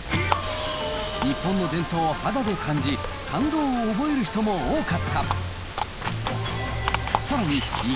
日本の伝統を肌で感じ、感動を覚える人も多かった。